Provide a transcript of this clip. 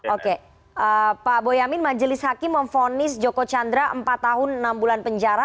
oke pak boyamin majelis hakim memfonis joko chandra empat tahun enam bulan penjara